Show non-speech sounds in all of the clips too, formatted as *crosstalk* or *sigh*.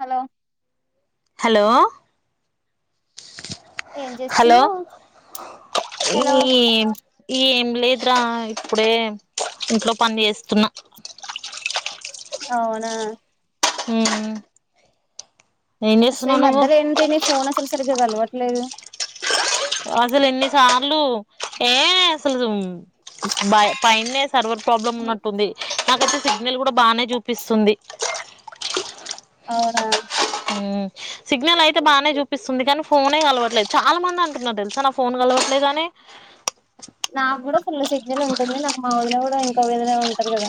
Hello hello ఏం hello చేస్తున్నావ్ ఈ హలో ఏం లేదురా ఇప్పుడే ఇంట్లొ పన్ జేస్తున్న. ఔనా. హ్మ్. అసే మర్దల్ ఏంతి నీ ఫోనసలు సరి. గ్గ కలవట్లేదు. అసలెన్ని సార్లు ఏ అసలు బై పైన్నే. సర్వర్ ప్రాబ్లమున్నట్టుంది. నాకైతె సిగ్నల్ గుడ బానే జూపిస్సుంది. ఔనా ఉమ్ సిగ్నలైతె బానే జూపిస్సుంది గానీ ఫోనే కలవట్లేదు చాలా మందటున్నార్ దెల్సా నా ఫోన్ గలవట్లేదని. నాగ్గూడా ఫుల్లు సిగ్నలుంటుంది నాక మా వొదిన గూడా ఇ. కవ్విదనే ఉంటది గద.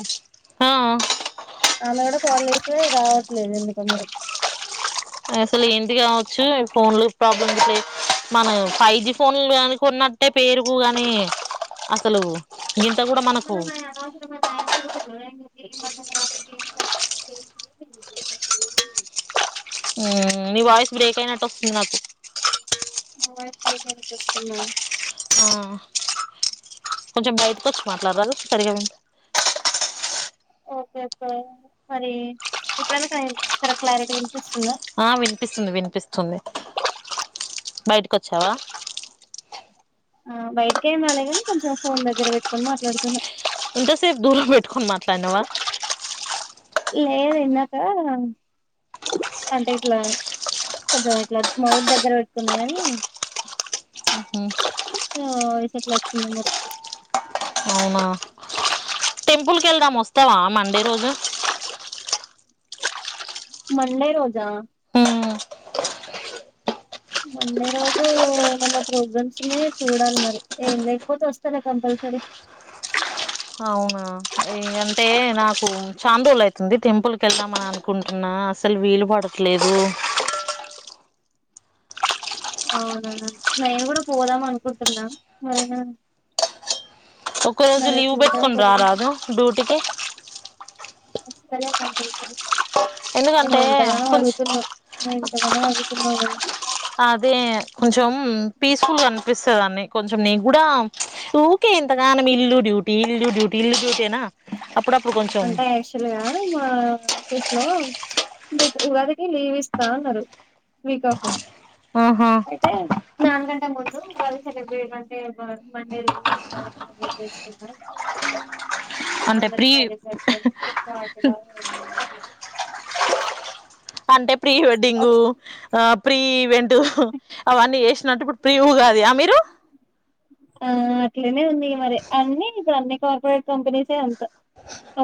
ఆమె గుడా కాలేజ్. సే రావట్లేదు ఎందుకొ మరి. అసలేంటి గావచ్చు ఈ ఫోన్లు ప్రాబ్లమ్ *unintelligible* మన ఫైజీ ఫోన్లు గనుకున్నట్టే పేరుకు గానీ అసలూ. తత్మదమ అనవసరమ అయచడుే గీ మద్య *unintelligible* *inaudible* అసలేం లేదు. మ్ మి వాయ్స్ బ్రేకైనట్టొస్తుంది నాకు. మా వైఫ్ *unintelligible* నికొస్తుందా. ఆ కొంచెం బైట్కొచ్చి మాట్లాడ్రాదు సరిగ విన్ప. ఓకే ఒకే మరీ ఇప్పుడైన కరెంట్ కరెక్ట్ క్లారిటీ. వినిపిస్తుందా ఆ విన్పిస్తుంది విన్పిస్తుంది. బైటికొచ్చావా. ఆ బైటికేం రాలెగాని కొంచెం ఫోన్ దగ్గర పెట్టుకొన్ మాట్లాడ్తున్న. ఇంట సేప్ దూరం బెట్టుకోన్ మాట్లాన్నావా. లేదు ఇందాక అంటే ఇట్లా కొంచెం ఇట్లా మౌత్ దగ్గర పెట్టుకున్నా, కాని వాయిస్ ఎట్లా వచ్చిందో మరి అవునా టెంపుల్ కెళ్దాం వస్తావా మండే రోజు? మండే రోజా? మండే రోజు ఏమన్నా ప్రోగ్రామ్స్ ఉన్నాయో చూడాలి మరి, ఏం లేకపోతే వస్తాలే కంపల్సరి. ఎందంటే నాకు చాన రోలు అయితుంది. టెంపుల్ కెళ్దామని అనుకుంటున్నా అసలు వీలు పడట్లేదు. అవునా నేను కూడా పోదాం అనుకుంటున్నా మరిగా ఒక రోజు లీవ్ పెట్టుకుని రా రాదు డ్యూటికి. వస్తాలే కంపల్సరీ ఎందుకంటే నువ్వు ఇంతగానో కొంచ్ అడుగుతున్నావు నువ్వు ఇంతగానో అడుగుతున్నావు కదా అదే కొంచెం పీస్ఫుల్ గా ఆనిపిస్తదని కొంచెం నీగ్గూడ ఊకే ఇంతగానం ఇల్లు డ్యూటీ ఇల్లు డ్యూటీ ఇల్లు డ్యూటీయేనా అంటే యాక్చువల్ గా మా ఆఫీస్ లో రేపు ఉగాదికి లీవ్ ఇస్తా అన్నారు వీక్ ఆఫ్ ఆహా అయితే నాలు గంటల ముందు ఉగాది సెలబ్రేట్ *unintelligible* అంటే మం మండే ఉగాది సెలెబ్రేట్ చేసుకుందాం. అంటే ప్రి సరే *unintelligible* అంటే ప్రీ వెడ్డింగు ఆ ప్రీవ్ ఈవెంటు అవన్నీ చేసినట్టు, ఇప్పుడు ప్రీ ఉగాది ఆ మీరు. ఆ అట్లనే ఉంది మరి అన్ని ఇగ అన్ని కార్పొరేట్ కంపెనీసే అంత.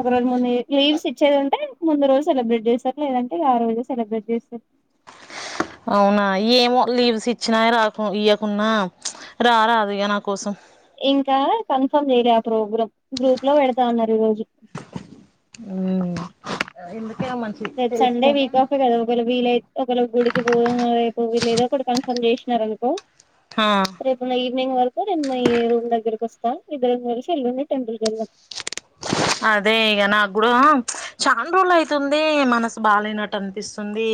ఒక రోజు ముందు లీవ్స్ ఇచ్చేదుంటే ముందు రోజు సెలబ్రేట్ చేస్తారు లేదంటే ఇగ ఆ రోజు సెలబ్రేట్ చేస్తారు. అవునా ఏమో లీవ్స్ ఇచ్చినాయ్ రాకు ఇయ్యకున్నా రా రాదు ఇగ నా కోసం. ఇంకా కన్ఫర్మ్ చేయలే ఆ ప్రోగ్రామ్. గ్రూప్ లో పెడతా అన్నారు ఈ రోజు. ఆ ఎందు రేపు సండే వీక్ ఆఫే కదా ఒక వేళ వీలయ్ ఒక వేళ గుడికి పోదాం ఆ రేపు వీలైతే అక్కడ ఫంక్షన్ చేస్ న్నారనుకో హా ఈవినింగ్ వరకు నేను మీ రూమ్ దగ్గరకి వస్తా ఇద్దరం కలిసి ఎల్లుండి టెంపుల్ కెళ్దాం. అదే ఇగ నాగ్గూడ చాన్ రోలు అయితుంది మనసు బాలేనట్టు అనిపిస్తుంది.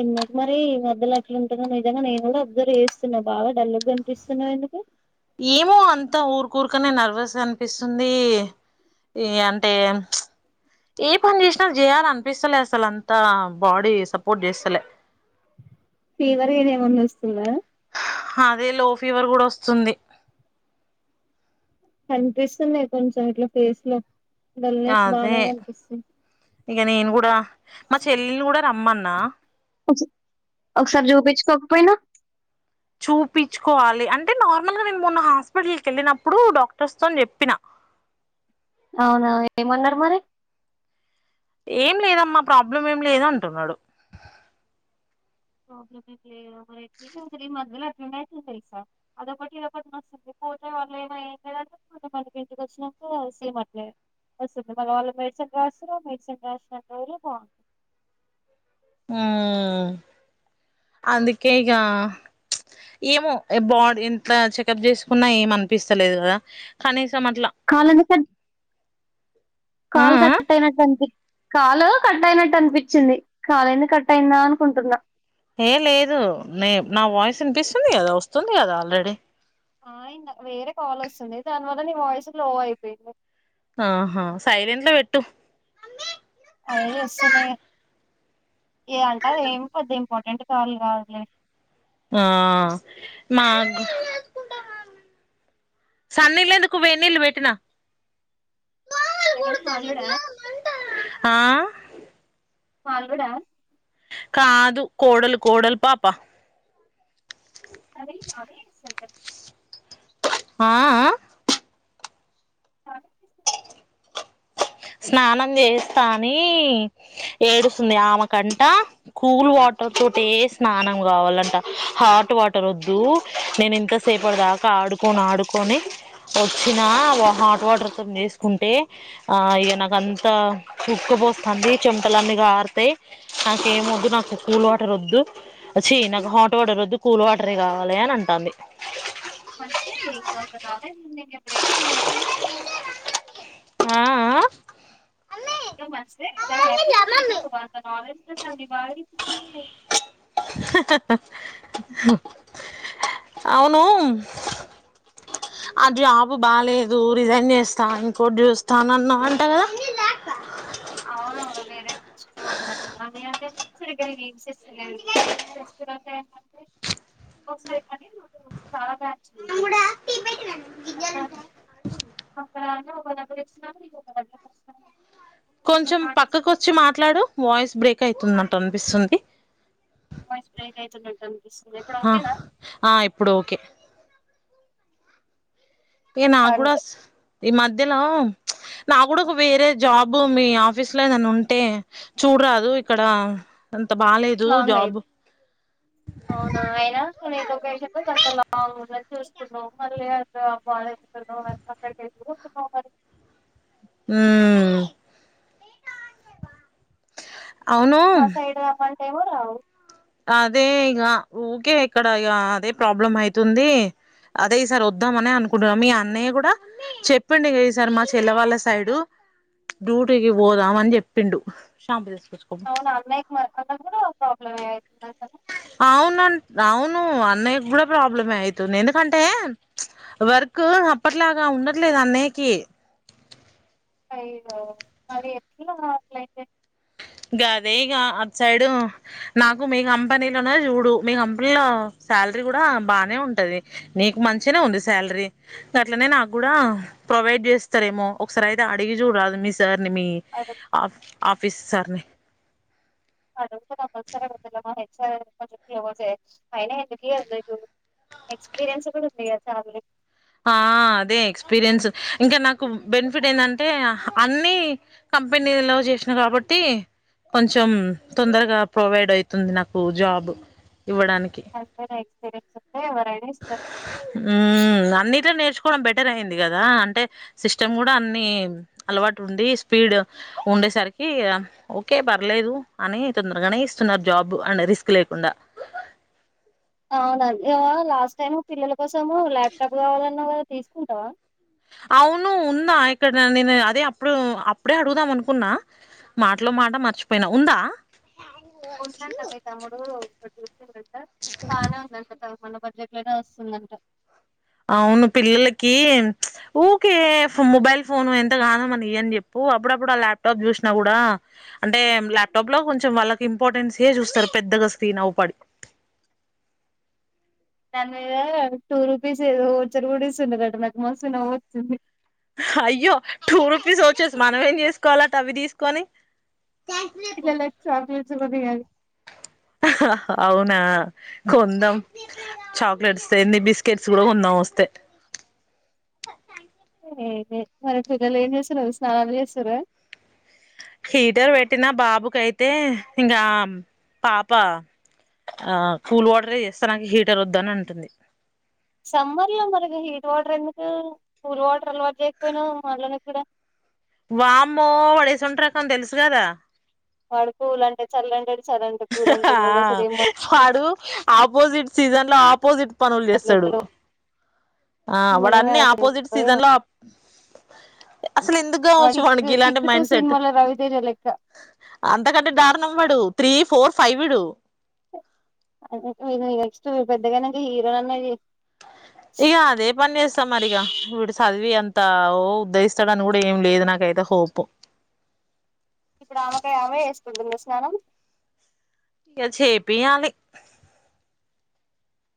ఎందుకు మరి ఈ మధ్యలో అట్లుంటున్నావ్? నిజంగా నేను కూడా అబ్జర్వ్ చేస్తున్నా బాగా డల్లు గ్గనిపిస్తున్నావు ఎందుకు? ఏమో అంత ఊరుకూరుకనే నర్వస్ గా అనిపిస్తుంది ఇగ అంటే ఏ పని చేసినా చేయాలనిపిస్తలే అసలు అంతా బాడీ సపోర్ట్ చేస్తలే. ఫీవర్ *unintelligible* ఏమన్నా వస్తుందా? అదే లో ఫీవర్ కూడా వస్తుంది. కనిపిస్తున్నాయి కొంచెం ఇట్లా ఫేస్ లో డల్నెస్ అదే బానే కనిపిస్తుంది ఇగ నేను గూడా మా చెల్లెల్ని గూడ రమ్మన్ నా ఒక్ సా ఒకసారి చూపిచ్చుకోకపోయినా చూపిచ్చుకోవాలి అంటే నార్మల్గా నేను మొన్న హాస్పిటల్ కెళ్ళినప్పుడు డాక్టర్స్ తోని చెప్పినా అవునా ఏమన్నారు మరి? ఏం లేదమ్మా ప్రాబ్లం ఏం లేదు అంటున్నాడు. ప్రాబ్లమ్ ఏం లేదు మరి ఎట్ అసలు ఈ మధ్యలో అటెండ్ అవుతుంది సార్ అదొకటి ఇదొ ఒకటిన వస్తుంది పోతే వాళ్ళ ఏమ ఏ లేదంట మ మనకి ఇంటికి వచ్చినట్ సేమ్ అట్లే వస్తుంది మరి వాళ్ళు మెడిసిన్ రాస్తారు ఆ మెడిసిన్ రాసినంతర బాగుంటంది *inaudible* హ్మ్! అందుకే ఇక ప్చ్ ఏమో బాడీ ఇట్లా చెకప్ చేసుకున్నా ఏం అనిపిస్తలేదు కదా? కానీ, కాల్లని సెట్ ఆ కాలు ఆ కట్ అయినట్టు అనిపించింది. కాలు కట్ అయినట్టు అనిపించింది కాలు ఏంది కట్ అయిందా అనుకుంటున్నా? ఏ లేదు నే నా వాయిస్ వినిపిస్తుంది కదా వస్తుంది కదా ఆల్రెడీ. ఆయి నాకు వేరే కాల్ వస్తుంది. దాని వల్ల నీ వాయిస్ లో అయిపోయింది. ఆహా! సైలెంట్లో పెట్టు. అదే చేస్తున్నా ఇగ ఎ అంట ఏమి పెద్ద ఇంపార్టెంట్ కాల్ కాదులే. ఆ మా సన్నీళ్ళు ఎందుకు? వేడి నీళ్లు పెట్టినా. ఎవరు? మా అల్లుడా? ఆ మా అల్లుడా? కాదు కోడలు కోడలు పాప. అదే మారే సల్న్ *unintelligible* ఆ ఆ కనిపిస్తాదికద *unintelligible* స్నానం చేస్తా అని ఏడుస్తుంది. ఆమె కంట కూల్ వాటర్ తోటే స్నానం కావాలట. హాట్ వాటర్ వద్దు నేను ఇంతసేపటి దాకా ఆడుకొని ఆడుకొని వచ్చినా, హాట్ వాటర్ తోని చేసుకుంటే ఆ ఎ నాక అంత ఉక్క పోస్తుంది చెమటలు అన్ని కారతాయి నాకు ఏమి వద్దు నాకు కూల్ వాటర్ వద్దు వచ్చి నాకు హాట్ వాటర్ వద్దు కూల్ వాటర్ కావాలి అని అంటుంది. మంచిదే ఇంక ఒక కాలేజ్ ఉన్నాక ఇప్పుడైతే హ్యాపీ యే గా. ఆ ఆ టూమచ్ హ్యాపీగా ఫీల్ అవ్వు *inaudible* మీ వాయిస్. హ్, హ్, అవును ఆ జాబ్ బాలేదు. రిజైన్ చేస్తాను. ఇంకోటి చూస్తాను అన్నావ్ అంట కదా? అవునవును వేరే *unintelligible* *unintelligible* అ ఒకసారి కానీ నాకు చాలా నచ్చింది అట్లా అక్కడ ఒక బ్బలు ఇచ్చినా నకు ఒక బ్బస్తా *inaudible* కొంచెం పక్కకు వచ్చి మాట్లాడు, వాయిస్ బ్రేక్ అయితుందమ్ త. వాయిస్ బ్రేక్ అయితున్నట్టు అనిపిస్తుంది, ఇప్పుడు ఆ ఓకేనా? ఆ ఇప్పుడు ఓకే ఏ నా కూడా అంతే స్ ఈ మధ్యలో, ప్చ్ నా కూడా ఒక వేరే జాబు, మీ ఆఫీస్ లో ఏదన్నా ఉంటే చూడరాదు ఇక్కడ? బాలేదు లాంగ్ అయింది. జాబ్ అవునా అయినా లొకేషన్ కొంత లాంగ్ ఉందను చూస్తున్న. *unintelligible* హ్మ్! అవును మా సైడ్ ఆ పని ఎవరు? రావ్ అదే ఇక ఊకే ఇక్కడ ఇక అదే ప్రాబ్లం అయితుంది. అదే ఈ సార్ వద్దామని అనుకుంటున్నాం మీ అన్నయ్య కూడా చెప్పిండు ఇక ఈ సారి మా చెల్లె వాళ్ళ సైడ్ డ్యూటీకి పోదాం అని చెప్పిండు. షాంపో తెచ్చుకో. అవును అన్నయ్యకి మాత్రమే ప్రాబ్లమే. అవుతుందంట అవును అవును అన్నయ్యకి కూడా ప్రాబ్లమే అయితుంది, ఎందుకంటే వర్క్ అప్పట్లాగా ఉండట్లేదు అన్నయ్యకి అయ్యో మరి ఎట్లా అట్లయితే గది గ అట్ సైడ్, నాకు మీ కంపెనీలోనే చూడు, మీ కంపెనీలో శాలరీ కూడా బానే ఉంటది, నీకు మంచినే ఉంది శాలరీ అట్లనే నాకు కూడా ప్రొవైడ్ చేస్తారేమో, ఒకసారి అయితే అడిగి చూడరాదు మీ సార్ మీ అడు ఆఫ్ ఆఫీస్ స కొ అైన ఎందుక ఎక్స్పీరియన్స్ కూడా ఉంది కదా ఆ అదే ఎక్స్పీరియన్స్, ఇంకా నాకు బెనిఫిట్ ఏంటంటే, అన్ని కంపెనీలో చేసిన కాబట్టి, కొంచెం తొందరగా ప్రొవైడ్ అవుతుంది నాకు జాబ్ ఇవ్వడానికి సరే కా ఉ అన్నిట్లో నేర్చుకోవడం బెట్ ర్ అయింది కదా అంటే సిస్టమ్ కూడా అన్ని అలవాటు ఉండి స్పీడ్ ఉండేసరికి, ఓకే పర్లేదు అని తొందరగానే ఇస్తున్నారు జాబ్ అండ్ రిస్క్ లేకుండా అవునం ఇగ లాస్ట్ టైమ్ పిల్లల కోసం ల్యాప్టాప్ కావాలన్నావు గదా తీసుకుంటావా అవును ఉందా ఇక్కడ నేను అదే అప్పుడు అప్పుడే అడుగుదాం అనుకున్నా మాటలో మాట మర్చిపోయినా ఉందా ఉందంట మీ తమ్ముడు *unintelligible* బానే ఉందంట మన బడ్జెట్ లోనే వస్తుందంట అవును పిల్లలకి ఊకే మొబైల్ ఫోను ఎంత గానం మనం ఇ అని చెప్పు అప్పుడప్పుడు ఆ ల్యాప్టాప్ చూసినా కూడా అంటే ల్యాప్టాప్ లో కొంచెం వాళ్ళకి ఇంపార్టెన్స్య చూస్తారు పెద్దగా స్కీన్ అవపడి దాని మీద టూ రూపీస్ ఏదో ఓచ్చర్ కూడాడిస్తుండ కట నాకు మస్తు నవ్వు వచ్చింది అయ్యో టూ రుపీస్ ఓచర్స్ మనం ఏం చేసుకోవాల అవి తీసుకొని పిల్లలకి చాక్లెట్స్ కొనియాలి అవునా కొందాం చాక్లెట్స్ ఎండి బిస్కెట్స్ కూడా కొందాం వస్తే ఓకే మరి పిల్లలు ఏం చేస్తున్నారు స్నానాలు చేస్తుర్ర హీటర్ పెట్టిన బాబుకయితే ఇంకా పాప ఆ కూల్ వాటర్ చేస్తా నాకు హీటర్ వద్దని అంటుంది సమ్మర్ లో మరిగ హీట్ వాటర్ ఎందుకు కూల్ వాటర్ అలవాటు చేయకపోయినా మళని కూడా వామ్మో వాడు ఎటువంటి రకం తెలుసు కదా వాడు కూల్ అంటే చల్లంట ఆ వాడు ఆపోజట్ సీజన్ లో ఆపోజిట్ పనులు చేస్తాడు మాట్లాడతాడో ఆ వాడు నిజంగా అన్నిీ అసలు ఆపోజిట్ ఏమో. సీజన్ లో అసలు వాడు ఎందుకుగావచ్చు వానికి కిక్ ఇలాంటి కిక్ టూ మైండ్ సెట్ సినిమాలో రవితేజ లెక్క అంతకంటే దారుణం వా త్రీ ఫోర్ ఫైవ్ వీడు అ మీరు నెక్స్ట్ పెద్దగానాక హీరోని అన్న చెయ్ ఇగ అదే పని చేస్తా మరి ఇగ వూడు చదివి అంత ఉద్దరిస్తాడని కూడా ఏం లేదు నాకైతే హోప్ ఇప్పుడు ఆమెకై ఆమె వేసుకుంటుందా స్నానం ఇగ చేపీయాలి